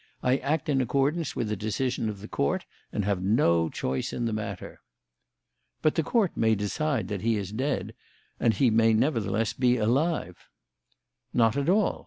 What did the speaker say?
I act in accordance with the decision of the Court and have no choice in the matter." "But the Court may decide that he is dead and he may nevertheless be alive." "Not at all.